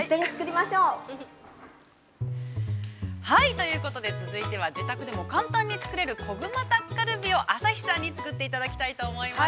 ◆ということで、続いては自宅でも、自宅でも簡単に作れる、コグマタッカルビを朝日さんに作っていただきます。